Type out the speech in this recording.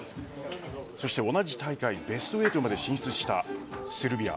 そして同じ大会ベスト８まで進出したセルビア。